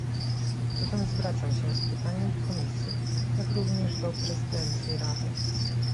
Zatem zwracam się z pytaniem do Komisji, jak również do prezydencji Rady